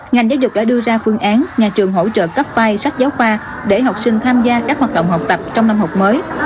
ngành giáo dục đã đưa ra phương án nhà trường hỗ trợ cấp vai sách giáo khoa để học sinh tham gia các hoạt động học tập trong năm học mới